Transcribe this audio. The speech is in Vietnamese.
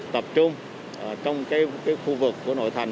tập trung trong khu vực của nội thành